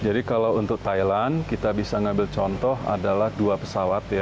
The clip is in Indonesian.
jadi kalau untuk thailand kita bisa mengambil contoh adalah dua pesawat